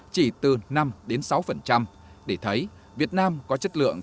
chỉ từ năm đến sáu để thấy việt nam có chất lượng